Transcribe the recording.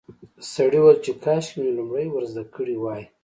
سړي وویل چې کاشکې مې لومړی ور زده کړي وای.